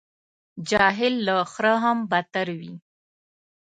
جاهل له خره هم بدتر وي.